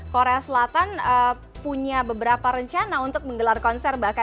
korea selatan punya beberapa rencana untuk menggelar konser